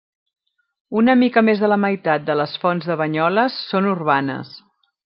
Una mica més de la meitat de les fonts de Banyoles són urbanes.